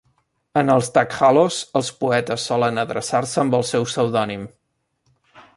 En els "takhallos" els poetes solen adreçar-se amb el seu pseudònim.